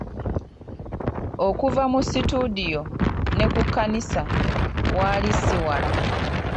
Okuva mu situdiyo, ne ku kkanisa waali ssi wala.